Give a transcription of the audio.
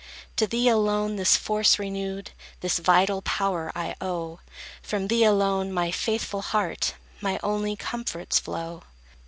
To thee alone this force renewed, This vital power I owe; From thee alone, my faithful heart, My only comforts flow.